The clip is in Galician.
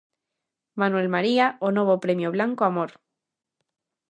Manuel María, o novo premio Blanco Amor.